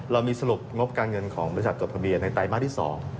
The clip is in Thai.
เรามีสรุปงบการเงินของบริษัทจดทะเบียนในไตรมาสที่๒